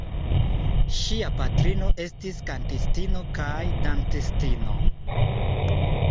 Ŝia patrino estis kantistino kaj dancistino.